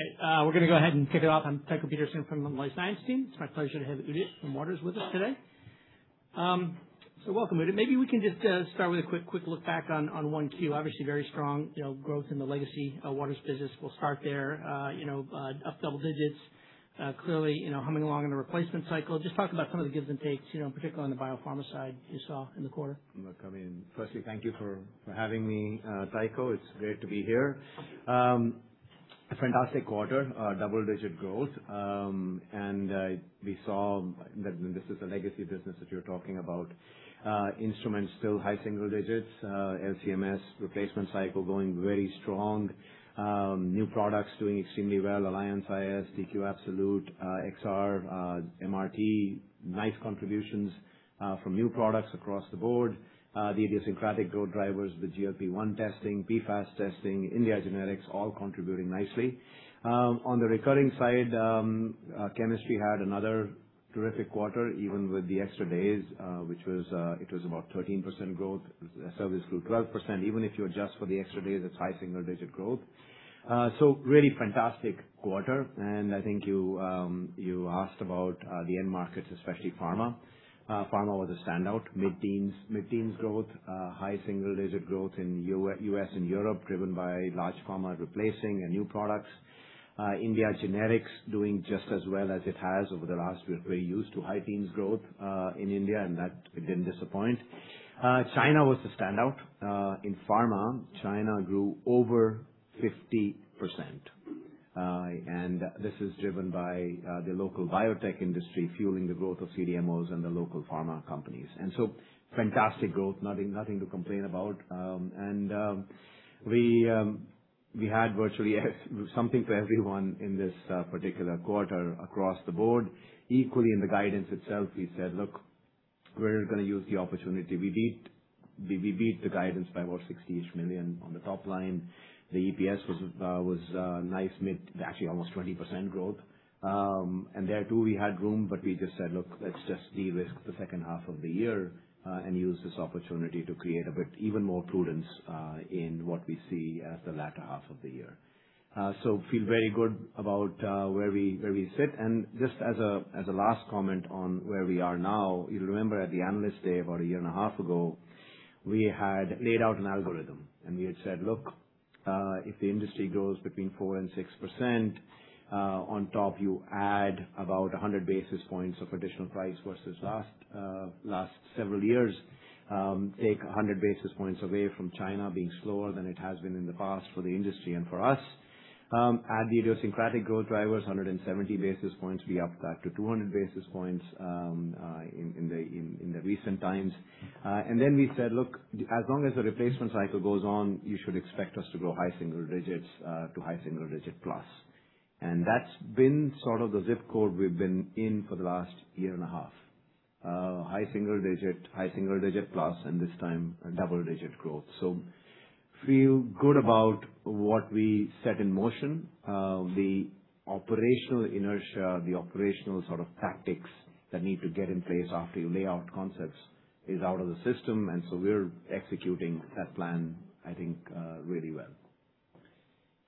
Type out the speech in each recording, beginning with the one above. Okay. We're going to go ahead and kick it off. I'm Tycho Peterson from the Life Science team. It's my pleasure to have Udit from Waters with us today. Welcome, Udit. Maybe we can just start with a quick look back on 1Q. Obviously, very strong growth in the legacy Waters business. We'll start there. Up double digits, clearly humming along in the replacement cycle. Just talk about some of the gives and takes, particularly on the biopharma side you saw in the quarter. Look, I mean, firstly, thank you for having me, Tycho. It's great to be here. Fantastic quarter. Double-digit growth. We saw that this is a legacy business that you're talking about. Instruments still high single digits. LC-MS replacement cycle going very strong. New products doing extremely well, Alliance iS, Xevo TQ Absolute, XR, MRT. Nice contributions from new products across the board. The idiosyncratic growth drivers, the GLP-1 testing, PFAS testing, India generics, all contributing nicely. On the recurring side, chemistry had another terrific quarter, even with the extra days, which it was about 13% growth. Service grew 12%. Even if you adjust for the extra days, it's high single-digit growth. Really fantastic quarter. I think you asked about the end markets, especially pharma. Pharma was a standout. Mid-teens growth, high single-digit growth in U.S. and Europe, driven by large pharma replacing and new products. India generics doing just as well as it has over the last. We're very used to high teens growth, in India, and that didn't disappoint. China was the standout. In pharma, China grew over 50%. This is driven by the local biotech industry fueling the growth of CDMOs and the local pharma companies. So fantastic growth. Nothing to complain about. We had virtually something for everyone in this particular quarter across the board. Equally in the guidance itself, we said, "Look, we're going to use the opportunity." We beat the guidance by about $60-ish million on the top line. The EPS was nice, actually almost 20% growth. There, too, we had room, but we just said, "Look, let's just de-risk the second half of the year, and use this opportunity to create a bit even more prudence, in what we see as the latter half of the year." Feel very good about where we sit. Just as a last comment on where we are now, you'll remember at the Analyst Day about a year and a half ago, we had laid out an algorithm. We had said, "Look, if the industry grows between 4% and 6%, on top, you add about 100 basis points of additional price versus last several years. Take 100 basis points away from China being slower than it has been in the past for the industry and for us. Add the idiosyncratic growth drivers, 170 basis points. We upped that to 200 basis points in the recent times. We said, "Look, as long as the replacement cycle goes on, you should expect us to grow high single digits to high single digit plus." That's been sort of the ZIP code we've been in for the last year and a half. High single digit, high single digit plus, and this time double-digit growth. Feel good about what we set in motion. The operational inertia, the operational sort of tactics that need to get in place after you lay out concepts is out of the system. We're executing that plan, I think, really well.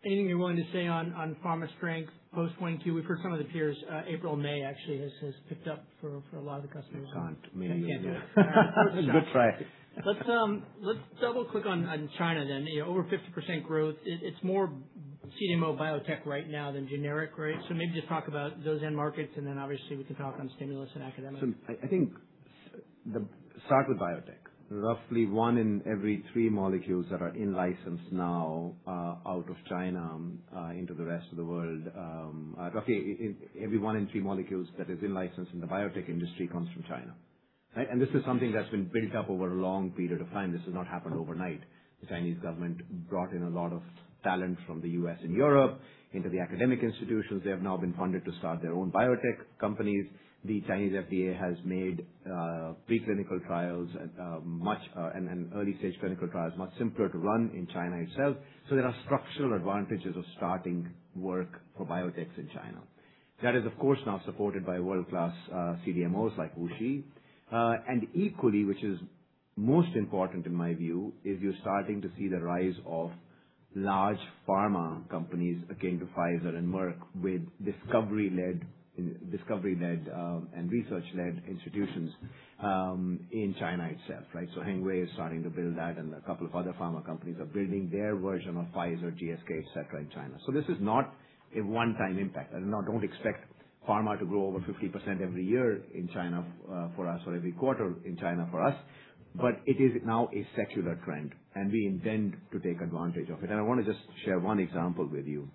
Anything you're willing to say on pharma strength post 2022? We've heard some of the peers, April, May actually has picked up for a lot of the customers. We can't. Maybe next year. Good try. Let's double-click on China then. Over 50% growth. It's more CDMO biotech right now than generic, right? Maybe just talk about those end markets and then obviously we can talk on stimulus and academics. I think, start with biotech. Roughly one in every three molecules that are in-licensed now are out of China, into the rest of the world. Roughly every one in three molecules that is in-licensed in the biotech industry comes from China, right? This is something that's been built up over a long period of time. This has not happened overnight. The Chinese government brought in a lot of talent from the U.S. and Europe into the academic institutions. They have now been funded to start their own biotech companies. The Chinese FDA has made preclinical trials and early-stage clinical trials much simpler to run in China itself. There are structural advantages of starting work for biotechs in China. That is, of course, now supported by world-class CDMOs like WuXi. Equally, which is most important in my view, is you're starting to see the rise of large pharma companies akin to Pfizer and Merck with discovery-led and research-led institutions in China itself, right? Hengrui is starting to build that, and a couple of other pharma companies are building their version of Pfizer, GSK, et cetera, in China. This is not a one-time impact. Don't expect pharma to grow over 50% every year in China for us or every quarter in China for us. It is now a secular trend, and we intend to take advantage of it. I want to just share one example with you.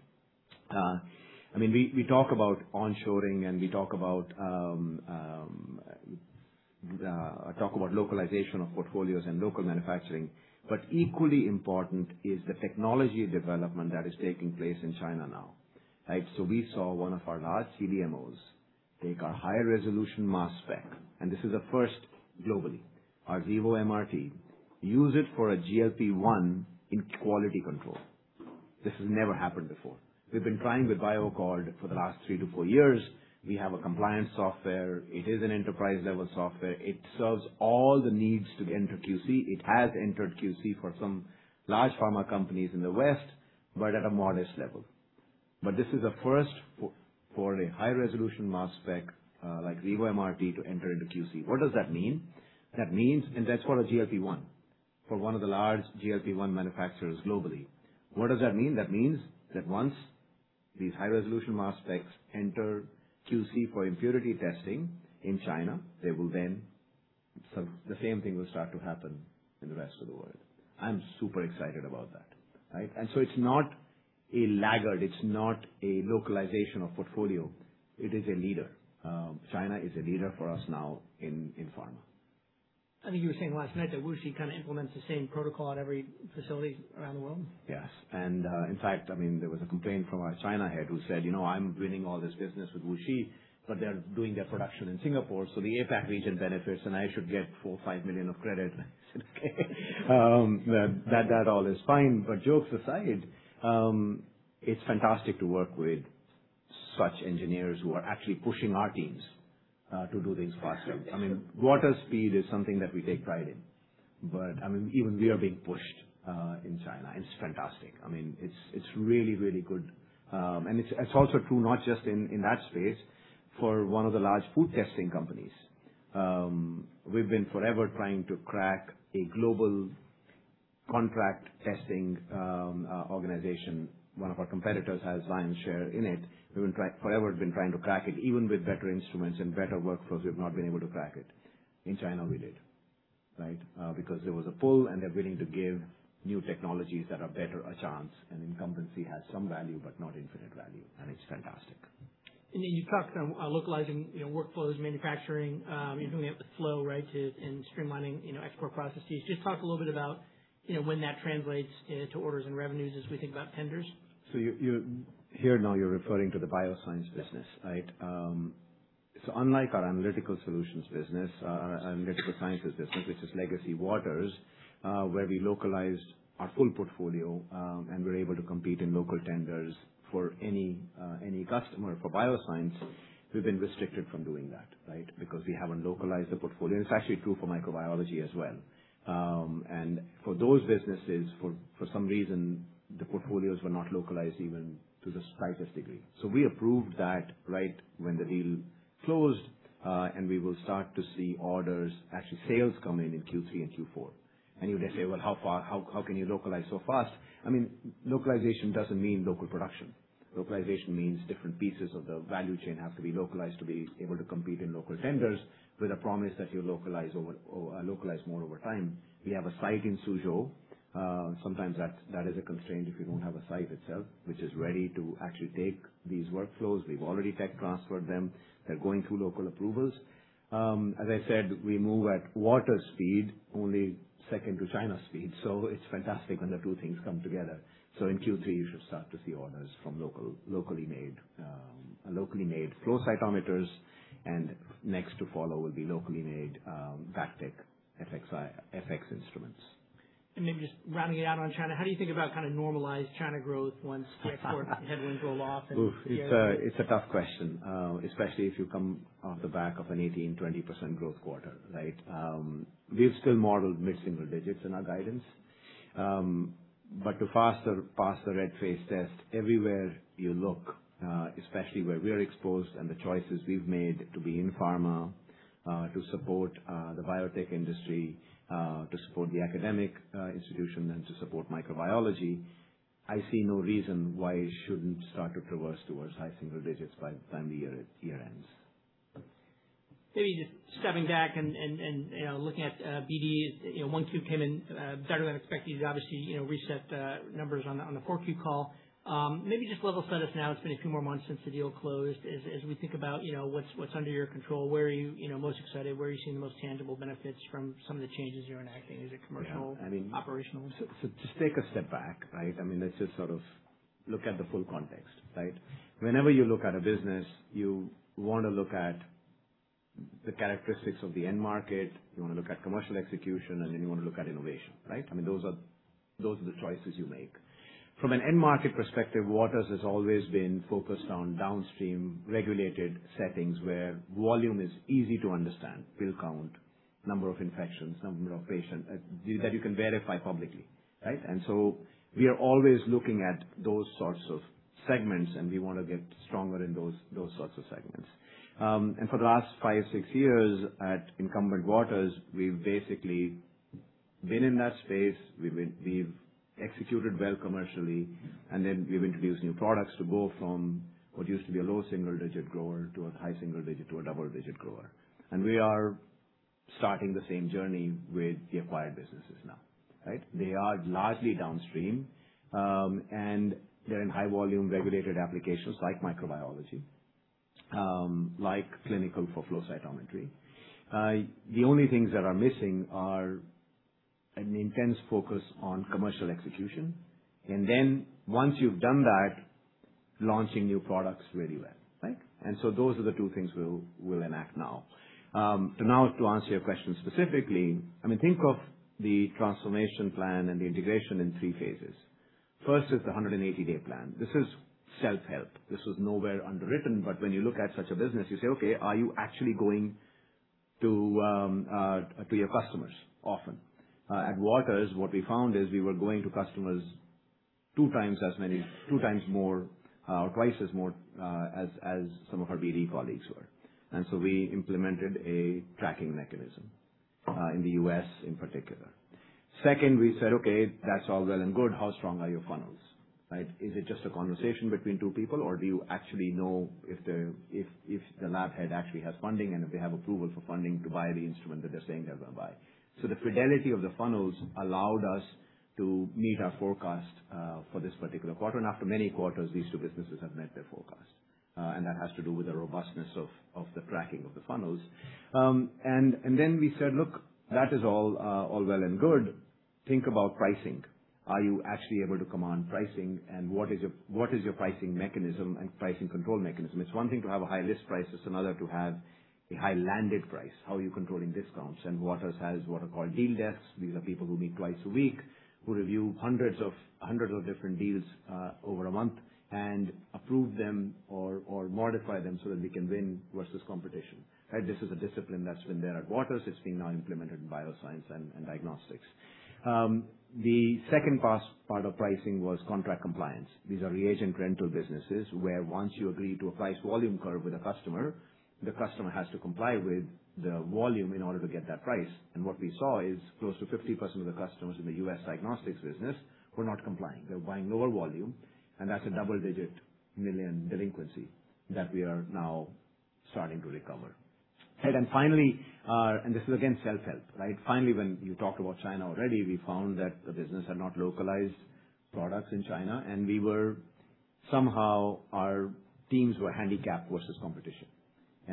We talk about onshoring and we talk about localization of portfolios and local manufacturing. Equally important is the technology development that is taking place in China now, right? We saw one of our large CDMOs take our high-resolution mass spec, and this is a first globally. Our Xevo MRT, use it for a GLP-1 in quality control. This has never happened before. We've been trying with BioAccord for the last three to four years. We have a compliance software. It is an enterprise-level software. It serves all the needs to enter QC. It has entered QC for some large pharma companies in the West, but at a modest level. This is a first for a high-resolution mass spec, like Xevo MRT to enter into QC. What does that mean? That means, and that's for a GLP-1, for one of the large GLP-1 manufacturers globally. What does that mean? That means that once these high-resolution mass specs enter QC for impurity testing in China, the same thing will start to happen in the rest of the world. I'm super excited about that, right? It's not a laggard, it's not a localization of portfolio, it is a leader. China is a leader for us now in pharma. I think you were saying last night that WuXi kind of implements the same protocol at every facility around the world. Yes. In fact, there was a complaint from our China head who said, "I'm winning all this business with WuXi, but they're doing their production in Singapore, so the APAC region benefits, and I should get $4 million or $5 million of credit." I said, "Okay. That all is fine." Jokes aside, it's fantastic to work with such engineers who are actually pushing our teams to do things faster. I mean, Waters speed is something that we take pride in. Even we are being pushed in China, and it's fantastic. It's really, really good. It's also true, not just in that space, for one of the large food testing companies. We've been forever trying to crack a global contract testing organization. One of our competitors has lion's share in it. We've forever been trying to crack it, even with better instruments and better workflows, we've not been able to crack it. In China, we did. Right? Because there was a pull, and they're willing to give new technologies that are better a chance, and incumbency has some value, but not infinite value, and it's fantastic. You talked about localizing workflows, manufacturing, you're doing it with flow, right? Streamlining export processes. Just talk a little bit about when that translates into orders and revenues as we think about tenders. Here now you're referring to the bioscience business, right? Unlike our analytical solutions business, our analytical sciences business, which is legacy Waters, where we localize our full portfolio, and we're able to compete in local tenders for any customer for bioscience, we've been restricted from doing that, right? Because we haven't localized the portfolio. It's actually true for microbiology as well. For those businesses, for some reason, the portfolios were not localized even to the slightest degree. We approved that right when the deal closed, and we will start to see orders, actually sales come in in Q3 and Q4. You're going to say, "Well, how can you localize so fast?" Localization doesn't mean local production. Localization means different pieces of the value chain have to be localized to be able to compete in local tenders with a promise that you localize more over time. We have a site in Suzhou. Sometimes that is a constraint if you don't have a site itself, which is ready to actually take these workflows. We've already tech transferred them. They're going through local approvals. As I said, we move at Waters speed, only second to China speed, so it's fantastic when the two things come together. In Q3, you should start to see orders from locally made flow cytometers, and next to follow will be locally made BACTEC FX instruments. Maybe just rounding it out on China, how do you think about kind of normalized China growth once the export headwinds roll off? Oof. It's a tough question, especially if you come off the back of an 18%, 20% growth quarter, right? We've still modeled mid-single digits in our guidance. To pass the red face test everywhere you look, especially where we're exposed and the choices we've made to be in pharma, to support the biotech industry, to support the academic institution, and to support microbiology, I see no reason why it shouldn't start to traverse towards high single digits by the time the year ends. Maybe just stepping back and looking at BD, 12 came in better than expected. You obviously reset the numbers on the forecast call. Maybe just level set us now, it's been a few more months since the deal closed. As we think about what's under your control, where are you most excited, where are you seeing the most tangible benefits from some of the changes you're enacting? Is it commercial? Yeah. Operational? Just take a step back, right? I mean, let's just sort of look at the full context, right? Whenever you look at a business, you want to look at the characteristics of the end market, you want to look at commercial execution, and then you want to look at innovation, right? I mean, those are the choices you make. From an end market perspective, Waters has always been focused on downstream regulated settings where volume is easy to understand. Pill count, number of infections, number of patients, that you can verify publicly, right? We are always looking at those sorts of segments, and we want to get stronger in those sorts of segments. For the last five, six years at incumbent Waters, we've basically been in that space. We've executed well commercially, and then we've introduced new products to go from what used to be a low single-digit grower to a high single-digit to a double-digit grower. We are starting the same journey with the acquired businesses now, right? They are largely downstream, and they're in high volume regulated applications like microbiology, like clinical for flow cytometry. The only things that are missing are an intense focus on commercial execution, and then once you've done that, launching new products really well, right? Those are the two things we'll enact now. Now to answer your question specifically, I mean, think of the transformation plan and the integration in three phases. First is the 180-day plan. This is self-help. This was nowhere underwritten, but when you look at such a business, you say, "Okay, are you actually going to your customers often. At Waters, what we found is we were going to customers two times more or twice as more as some of our BD colleagues were. We implemented a tracking mechanism in the U.S. in particular. Second, we said, "Okay, that's all well and good. How strong are your funnels?" Right? Is it just a conversation between two people or do you actually know if the lab head actually has funding and if they have approval for funding to buy the instrument that they're saying they're going to buy? The fidelity of the funnels allowed us to meet our forecast, for this particular quarter. After many quarters, these two businesses have met their forecast. That has to do with the robustness of the tracking of the funnels. Then we said, "Look, that is all well and good. Think about pricing. Are you actually able to command pricing and what is your pricing mechanism and pricing control mechanism? It's one thing to have a high list price, it's another to have a high landed price. How are you controlling discounts? Waters has what are called deal desks. These are people who meet twice a week, who review hundreds of different deals over a month and approve them or modify them so that we can win versus competition, right? This is a discipline that's been there at Waters. It's being now implemented in bioscience and diagnostics. The second part of pricing was contract compliance. These are reagent rental businesses, where once you agree to a price-volume curve with a customer, the customer has to comply with the volume in order to get that price. What we saw is close to 50% of the customers in the U.S. diagnostics business were not complying. They're buying lower volume, that's a double-digit million delinquency that we are now starting to recover. Right. This is again, self-help, right? Finally, when you talked about China already, we found that the business had not localized products in China, somehow our teams were handicapped versus competition.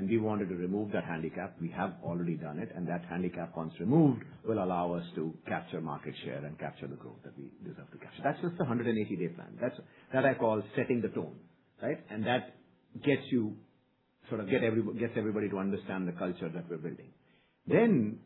We wanted to remove that handicap. We have already done it, that handicap, once removed, will allow us to capture market share and capture the growth that we deserve to capture. That's just the 180-day plan. That I call setting the tone, right? That gets everybody to understand the culture that we're building.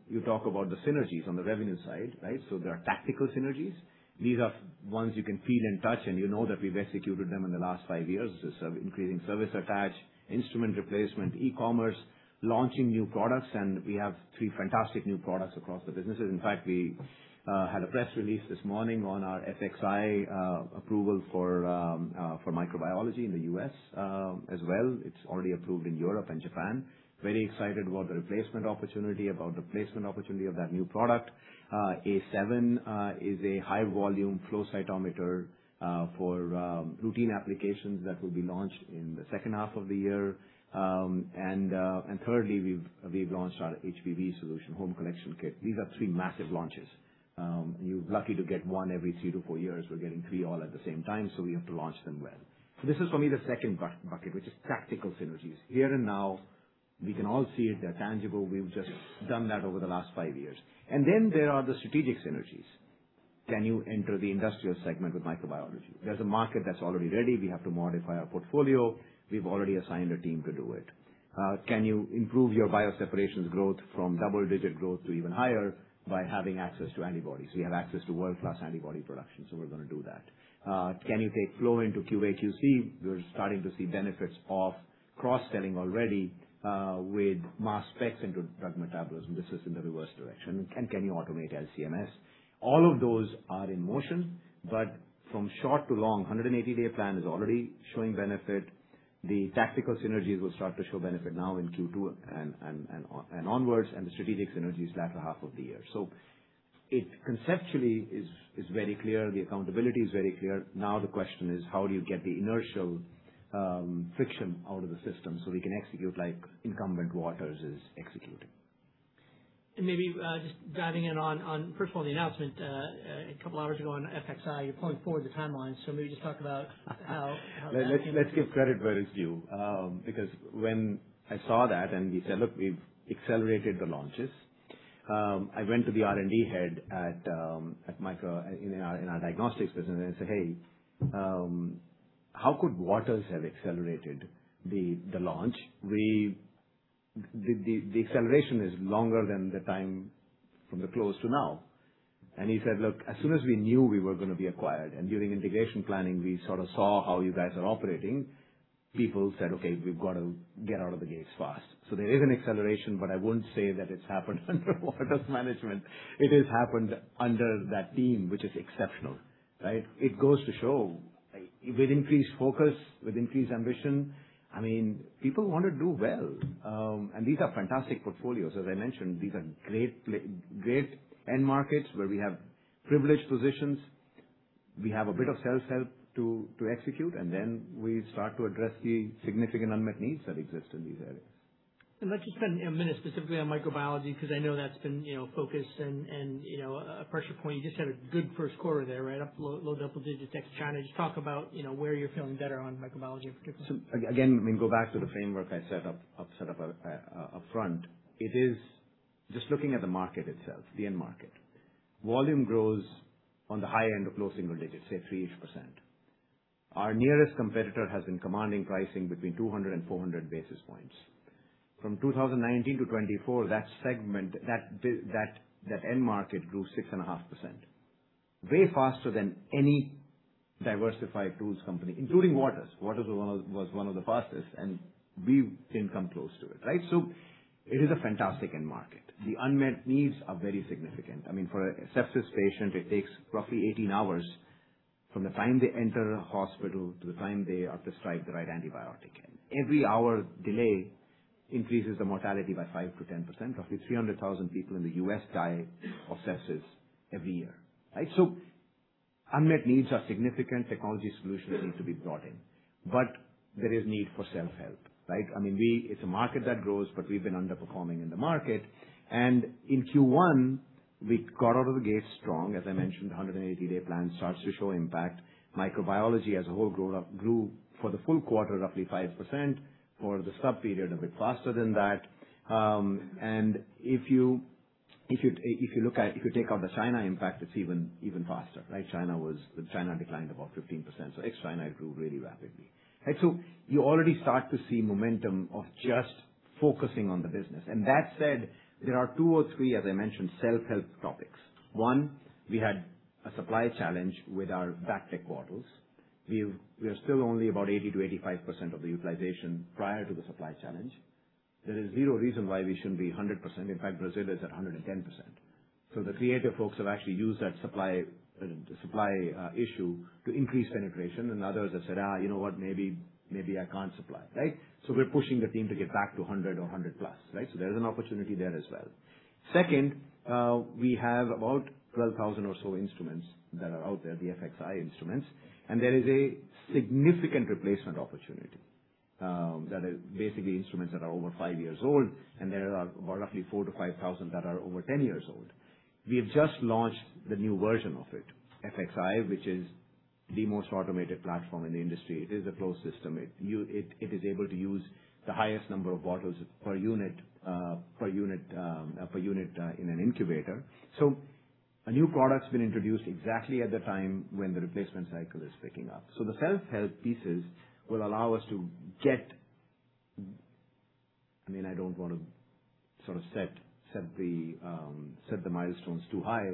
You talk about the synergies on the revenue side, right? There are tactical synergies. These are ones you can feel and touch and you know that we've executed them in the last five years. This is increasing service attach, instrument replacement, e-commerce, launching new products, and we have three fantastic new products across the businesses. In fact, we had a press release this morning on our FX approval for microbiology in the U.S. as well. It's already approved in Europe and Japan. Very excited about the replacement opportunity, about the placement opportunity of that new product. A7 is a high-volume flow cytometer for routine applications that will be launched in the second half of the year. Thirdly, we've launched our HPV solution home collection kit. These are three massive launches. You're lucky to get one every three to four years. We're getting three all at the same time, so we have to launch them well. This is for me, the second bucket, which is tactical synergies. Here and now, we can all see it. They're tangible. We've just done that over the last five years. Then there are the strategic synergies. Can you enter the industrial segment with microbiology? There's a market that's already ready. We have to modify our portfolio. We've already assigned a team to do it. Can you improve your bioseparations growth from double-digit growth to even higher by having access to antibodies? We have access to world-class antibody production, so we're going to do that. Can you take flow into QA/QC? We're starting to see benefits of cross-selling already, with mass specs into drug metabolism. This is in the reverse direction. Can you automate LC-MS? All of those are in motion, but from short to long, 180-day plan is already showing benefit. The tactical synergies will start to show benefit now in Q2 and onwards, and the strategic synergies latter half of the year. It conceptually is very clear. The accountability is very clear. Now the question is how do you get the inertial friction out of the system so we can execute like incumbent Waters is executing. Maybe, just diving in on, first of all, the announcement a couple of hours ago on FX side, you're pulling forward the timeline. Maybe just talk about how that came about. Let's give credit where it's due. When I saw that and we said, "Look, we've accelerated the launches." I went to the R&D head in our diagnostics business and said, "Hey, how could Waters have accelerated the launch? The acceleration is longer than the time from the close to now." He said, "Look, as soon as we knew we were going to be acquired, and during integration planning, we sort of saw how you guys are operating. People said, 'Okay, we've got to get out of the gates fast.'" There is an acceleration, but I wouldn't say that it's happened under Waters management. It has happened under that team, which is exceptional, right? It goes to show with increased focus, with increased ambition, people want to do well. These are fantastic portfolios. As I mentioned, these are great end markets where we have privileged positions. We have a bit of self-help to execute, and then we start to address the significant unmet needs that exist in these areas. Let's just spend a minute specifically on microbiology, because I know that's been focused and a pressure point. You just had a good first quarter there, right? Up low double digits ex China. Just talk about where you're feeling better on microbiology in particular. Again, we can go back to the framework I set up front. Just looking at the market itself, the end market. Volume grows on the high end of low single digits, say 3%. Our nearest competitor has been commanding pricing between 200 and 400 basis points. From 2019 to 2024, that end market grew 6.5%. Way faster than any diversified tools company, including Waters. Waters was one of the fastest, and we didn't come close to it. It is a fantastic end market. The unmet needs are very significant. For a sepsis patient, it takes roughly 18 hours from the time they enter a hospital to the time they are prescribed the right antibiotic. Every hour delay increases the mortality by 5%-10%. Roughly 300,000 people in the U.S. die of sepsis every year. Unmet needs are significant. Technology solutions need to be brought in. There is need for self-help. It's a market that grows, but we've been underperforming in the market. In Q1, we got out of the gate strong. As I mentioned, 180-day plan starts to show impact. Microbiology as a whole grew for the full quarter, roughly 5%, for the sub-period, a bit faster than that. If you take out the China impact, it's even faster, right? China declined about 15%, so ex-China grew really rapidly. You already start to see momentum of just focusing on the business. That said, there are two or three, as I mentioned, self-help topics. One, we had a supply challenge with our BACTEC bottles. We are still only about 80%-85% of the utilization prior to the supply challenge. There is zero reason why we shouldn't be 100%. In fact, Brazil is at 110%. The creative folks have actually used that supply issue to increase penetration. Others have said, "You know what? Maybe I can't supply." We're pushing the team to get back to 100 or 100+. There's an opportunity there as well. Second, we have about 12,000 or so instruments that are out there, the FX instruments, and there is a significant replacement opportunity. That are basically instruments that are over five years old, and there are roughly 4,000-5,000 that are over 10 years old. We have just launched the new version of it, FX, which is the most automated platform in the industry. It is a closed system. It is able to use the highest number of bottles per unit in an incubator. A new product's been introduced exactly at the time when the replacement cycle is picking up. The self-help pieces will allow us to get I don't want to set the milestones too high,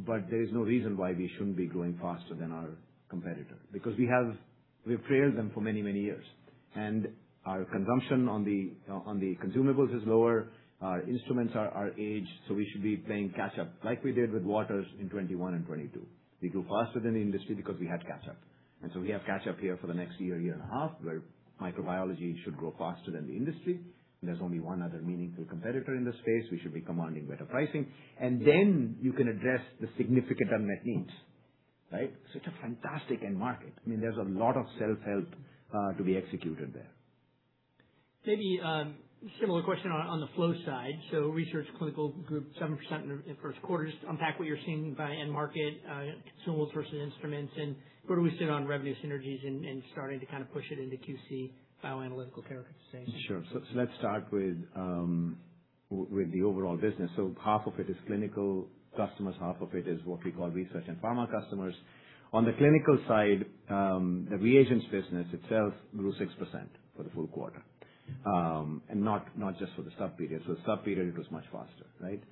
but there is no reason why we shouldn't be growing faster than our competitor. We've trailed them for many, many years. Our consumption on the consumables is lower. Our instruments are aged, so we should be playing catch up like we did with Waters in 2021 and 2022. We grew faster than the industry because we had catch up. We have catch up here for the next year and a half, where microbiology should grow faster than the industry. There's only one other meaningful competitor in the space. We should be commanding better pricing. You can address the significant unmet needs. It's a fantastic end market. There's a lot of self-help to be executed there. Maybe a similar question on the flow side. Research clinical group, 7% in the first quarter. Just unpack what you're seeing by end market, consumables versus instruments, and where do we sit on revenue synergies and starting to push it into QC bioanalytical characterization? Sure. Let's start with the overall business. Half of it is clinical customers, half of it is what we call research and pharma customers. On the clinical side, the reagents business itself grew 6% for the full quarter, and not just for the sub-period. Sub-period, it was much faster. Right?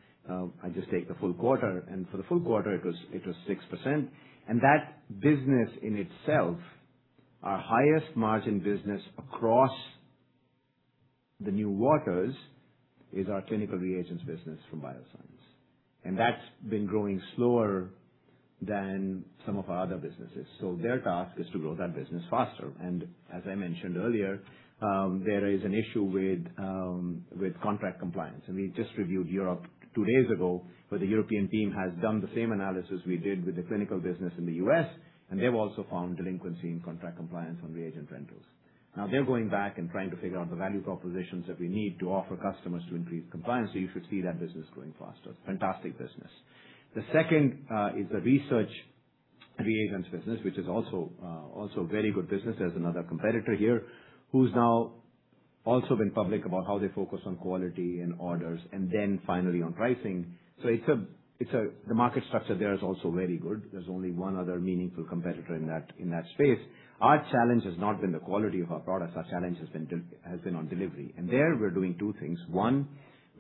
I just take the full quarter, and for the full quarter, it was 6%. That business in itself, our highest margin business across the new Waters, is our clinical reagents business from Bioscience. That's been growing slower than some of our other businesses. Their task is to grow that business faster. As I mentioned earlier, there is an issue with contract compliance. We just reviewed Europe two days ago, where the European team has done the same analysis we did with the clinical business in the U.S., and they've also found delinquency in contract compliance on reagent rentals. They're going back and trying to figure out the value propositions that we need to offer customers to increase compliance. You should see that business growing faster. Fantastic business. The second is the research reagents business, which is also very good business. There's another competitor here who's now also been public about how they focus on quality and orders and then finally on pricing. The market structure there is also very good. There's only one other meaningful competitor in that space. Our challenge has not been the quality of our products. Our challenge has been on delivery. There, we're doing two things. One,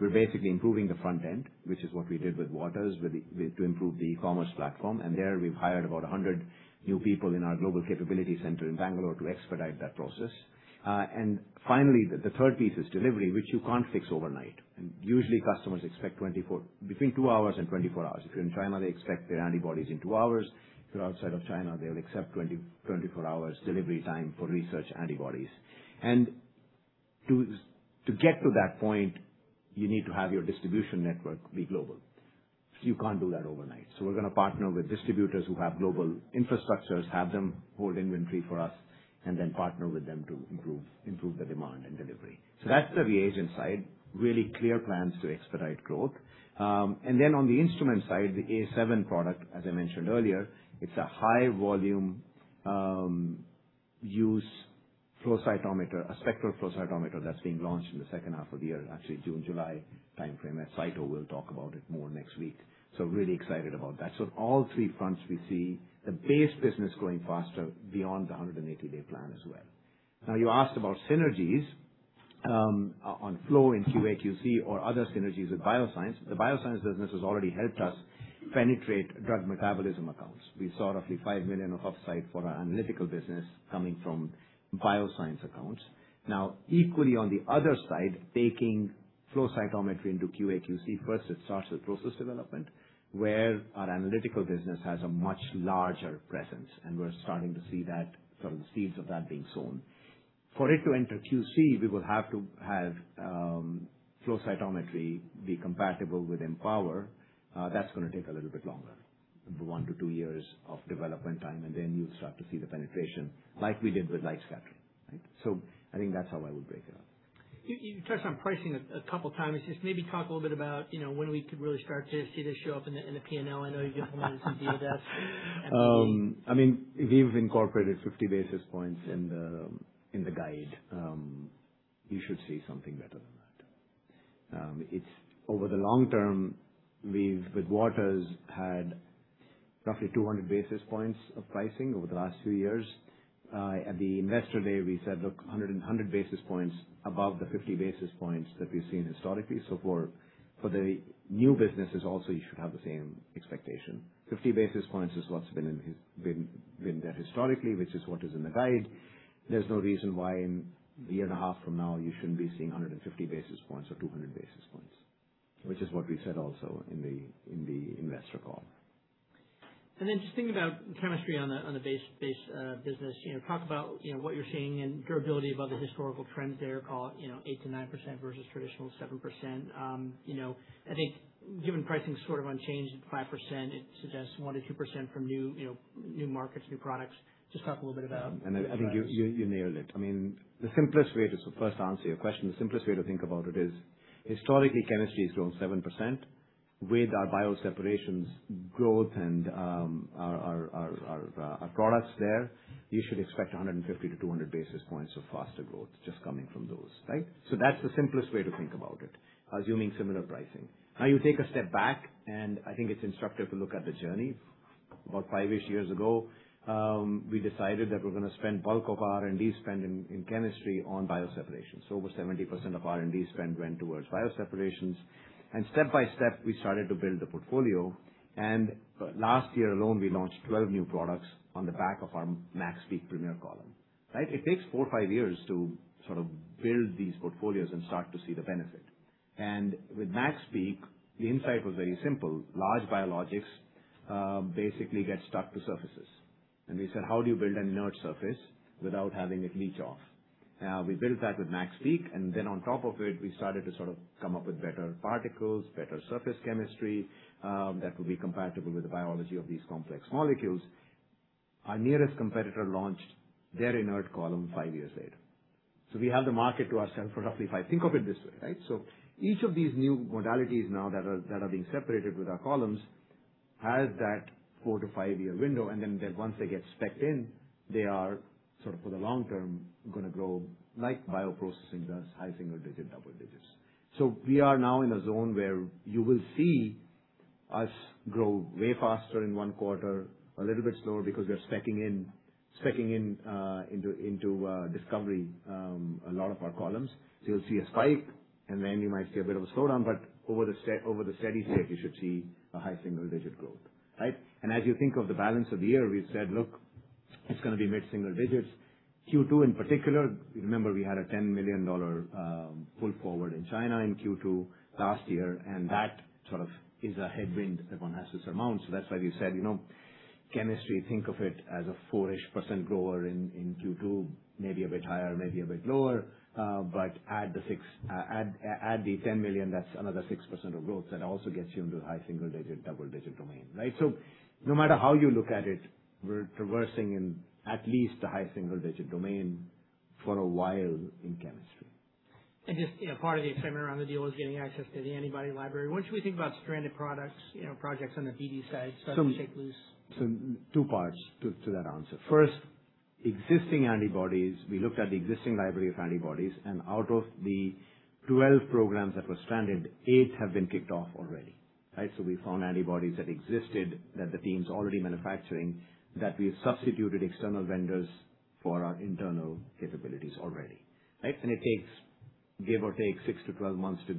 we're basically improving the front end, which is what we did with Waters, to improve the e-commerce platform. There, we've hired about 100 new people in our global capability center in Bangalore to expedite that process. Finally, the third piece is delivery, which you can't fix overnight. Usually, customers expect between two hours and 24 hours. If you're in China, they expect their antibodies in two hours. If you're outside of China, they'll accept 24 hours delivery time for research antibodies. To get to that point, you need to have your distribution network be global. You can't do that overnight. We're going to partner with distributors who have global infrastructures, have them hold inventory for us, then partner with them to improve the demand and delivery. That's the reagent side, really clear plans to expedite growth. On the instrument side, the A7 product, as I mentioned earlier, it's a high volume use flow cytometer, a spectral flow cytometer that's being launched in the second half of the year, actually June, July timeframe. Saito will talk about it more next week. Really excited about that. On all three fronts, we see the base business growing faster beyond the 180-day plan as well. Now you asked about synergies. On flow in QA/QC or other synergies with bioscience. The bioscience business has already helped us penetrate drug metabolism accounts. We saw roughly $5 million of upside for our analytical business coming from bioscience accounts. Now, equally on the other side, taking flow cytometry into QA/QC, first it starts with process development, where our analytical business has a much larger presence, and we're starting to see the seeds of that being sown. For it to enter QC, we will have to have flow cytometry be compatible with Empower. That's going to take a little bit longer, one to two years of development time, and then you'll start to see the penetration, like we did with light scattering. I think that's how I would break it up. You touched on pricing a couple of times. Just maybe talk a little bit about when we could really start to see this show up in the P&L. I know you gave a little bit of some guidance. We've incorporated 50 basis points in the guide. You should see something better than that. Over the long term, with Waters, had roughly 200 basis points of pricing over the last few years. At the Investor Day, we said, look, 100 basis points above the 50 basis points that we've seen historically. For the new businesses also, you should have the same expectation. 50 basis points is what's been there historically, which is what is in the guide. There's no reason why in a year and a half from now, you shouldn't be seeing 150 basis points or 200 basis points, which is what we said also in the investor call. Just thinking about chemistry on the base business, talk about what you're seeing in durability of other historical trends there, call it 8%-9% versus traditional 7%. I think given pricing's sort of unchanged at 5%, it suggests 1%-2% from new markets, new products. I think you nailed it. The simplest way to first answer your question, the simplest way to think about it is historically, chemistry has grown 7% with our bioseparations growth and our products there. You should expect 150-200 basis points of faster growth just coming from those. That's the simplest way to think about it, assuming similar pricing. You take a step back, I think it's instructive to look at the journey. About five-ish years ago, we decided that we're going to spend bulk of R&D spend in chemistry on bioseparations. Over 70% of R&D spend went towards bioseparations. Step by step, we started to build the portfolio, and last year alone, we launched 12 new products on the back of our MaxPeak Premier column, right? It takes four, five years to sort of build these portfolios and start to see the benefit. With MaxPeak, the insight was very simple. Large biologics basically get stuck to surfaces. We said, how do you build an inert surface without having it leach off? We built that with MaxPeak, on top of it, we started to sort of come up with better particles, better surface chemistry, that will be compatible with the biology of these complex molecules. Our nearest competitor launched their inert column five years later. We had the market to ourselves for roughly five. Think of it this way, right? Each of these new modalities now that are being separated with our columns has that four to five-year window, and then once they get specced in, they are sort of for the long term, going to grow like bioprocessing does, high single-digit, double-digit. We are now in a zone where you will see us grow way faster in one quarter, a little bit slower because we're speccing in into discovery a lot of our columns. You'll see a spike, and then you might see a bit of a slowdown, but over the steady state, you should see a high single-digit growth. As you think of the balance of the year, we've said, look, it's going to be mid-single digits. Q2 in particular, remember we had a $10 million pull forward in China in Q2 last year. That sort of is a headwind if one has to surmount. That's why we said, chemistry, think of it as a 4%-ish grower in Q2, maybe a bit higher, maybe a bit lower. Add the $10 million, that's another 6% of growth. That also gets you into the high single-digit, double-digit domain, right? No matter how you look at it, we're traversing in at least a high single-digit domain for a while in chemistry. Just part of the excitement around the deal is getting access to the antibody library. What should we think about stranded products, projects on the BD side, especially Shake loose? Two parts to that answer. First, existing antibodies. We looked at the existing library of antibodies, and out of the 12 programs that were stranded, eight have been kicked off already. We found antibodies that existed that the team's already manufacturing, that we've substituted external vendors for our internal capabilities already. It takes, give or take, 6-12 months to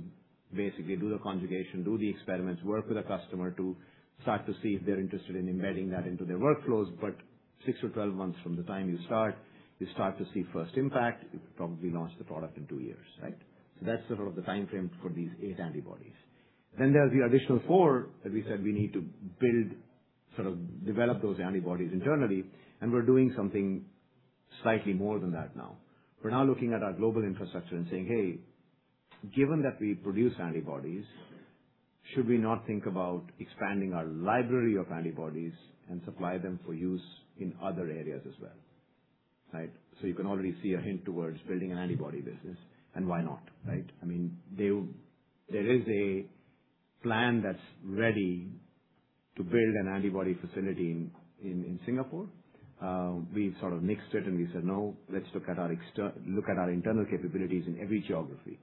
basically do the conjugation, do the experiments, work with a customer to start to see if they're interested in embedding that into their workflows. 6-12 months from the time you start, you start to see first impact. You've probably launched the product in two years, right? That's sort of the time frame for these eight antibodies. There are the additional four that we said we need to build, sort of develop those antibodies internally, and we're doing something slightly more than that now. We're now looking at our global infrastructure and saying, "Hey, given that we produce antibodies, should we not think about expanding our library of antibodies and supply them for use in other areas as well?" You can already see a hint towards building an antibody business. Why not, right? There is a plan that's ready to build an antibody facility in Singapore. We sort of nixed it and we said, "No, let's look at our internal capabilities in every geography,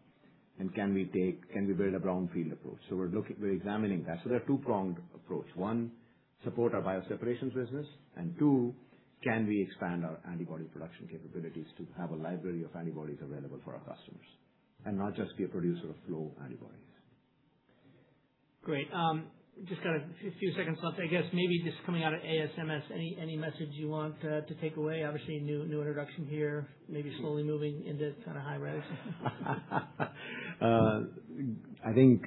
and can we build a brownfield approach?" We're examining that. There are two-pronged approach. One, support our bioseparations business, and two, can we expand our antibody production capabilities to have a library of antibodies available for our customers and not just be a producer of flow antibodies. Great. Just got a few seconds left. I guess maybe just coming out of ASMS, any message you want to take away? Obviously, new introduction here, maybe slowly moving into kind of high res. I think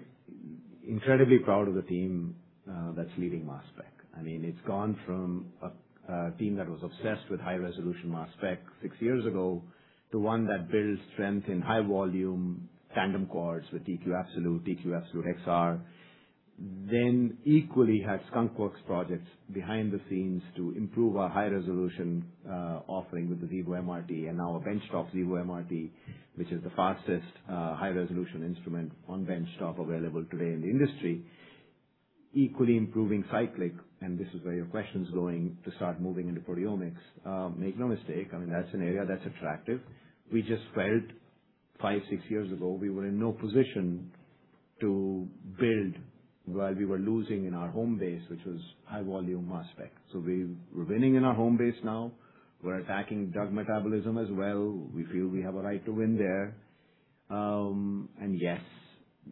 incredibly proud of the team that's leading mass spec. It's gone from a team that was obsessed with high-resolution mass spec six years ago to one that builds strength in high volume tandem quads with TQ Absolute, TQ Absolute XR. Equally have skunkworks projects behind the scenes to improve our high-resolution offering with the Xevo MRT and our benchtop Xevo MRT, which is the fastest, high-resolution instrument on benchtop available today in the industry. Equally improving Cyclic, and this is where your question's going to start moving into proteomics. Make no mistake, that's an area that's attractive. We just felt five, six years ago, we were in no position to build while we were losing in our home base, which was high volume mass spec. We're winning in our home base now. We're attacking drug metabolism as well. We feel we have a right to win there. Yes,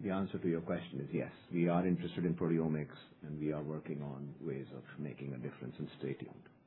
the answer to your question is yes. We are interested in proteomics. We are working on ways of making a difference in this stadium. Great